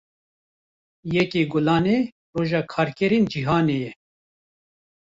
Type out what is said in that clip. Yekê Gulanê, roja karkerên cîhanê ye